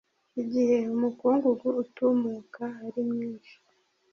igihe umukungugu utumuka ari mwinshi